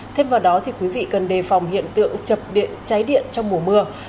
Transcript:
thêm vào đó thì quý vị cần đề phòng hiện tượng chập điện cháy điện trong mùa mưa